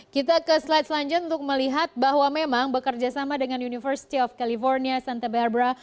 kita ke slide selanjutnya untuk melihat bahwa memang bekerja sama dengan university of california santa berbra